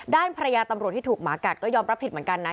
ด้านภรรยาตำรวจที่ถูกหมากัดก็ยอมรับผิดเหมือนกันนะ